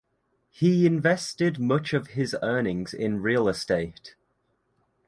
He invested much of his earnings in real estate.